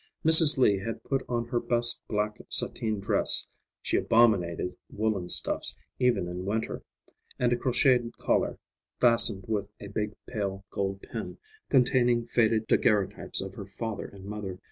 Mrs. Lee had put on her best black satine dress—she abominated woolen stuffs, even in winter—and a crocheted collar, fastened with a big pale gold pin, containing faded daguerreotypes of her father and mother.